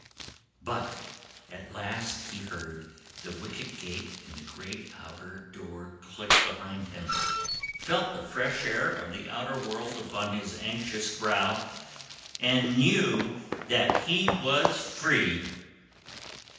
But at last he heard the wicket gate in the great outer door click behind him, felt the fresh air of the outer world upon his anxious brow, and knew that he was free!